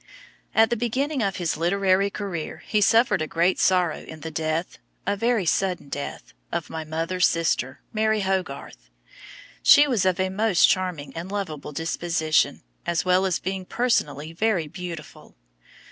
At the beginning of his literary career he suffered a great sorrow in the death—a very sudden death—of my mother's sister, Mary Hogarth. She was of a most charming and lovable disposition, as well as being personally very beautiful.